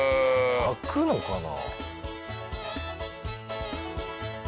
開くのかな？